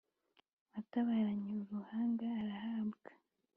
watabaranye uruhanga arahabwa!